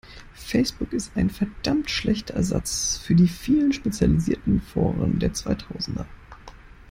Facebook ist ein verdammt schlechter Ersatz für die vielen spezialisierten Foren der zweitausender.